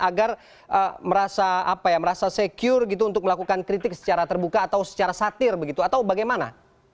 agar merasa secure gitu untuk melakukan kritik secara terbuka atau secara satir begitu atau bagaimana